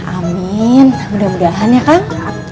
amin mudah mudahan ya kang